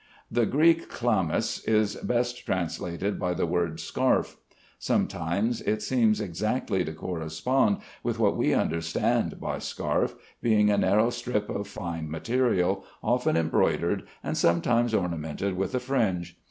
The Greek "chlamys" is best translated by the word scarf. Sometimes it seems exactly to correspond with what we understand by "scarf," being a narrow strip of fine material, often embroidered and sometimes ornamented with a fringe.